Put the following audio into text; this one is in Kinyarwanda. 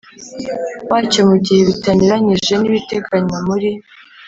wacyo mu gihe bitanyuranyije n ibiteganywa muri